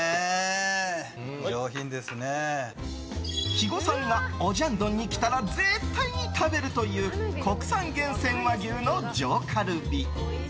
肥後さんがオジャンドンに来たら絶対に食べる国産厳選和牛の上カルビ。